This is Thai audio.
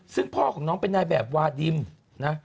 ซึ่งพ่อของน้องเป็นนายแบบวาดิมนะ